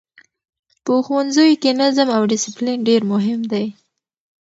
په ښوونځیو کې نظم او ډسپلین ډېر مهم دی.